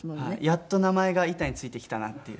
やっと名前が板に付いてきたなっていう。